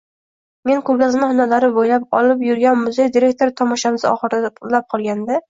Men ko’rgazma xonalari bo’ylab olib yurgan muzey direktori tomoshamiz oxirlab qolganda: